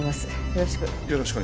よろしく。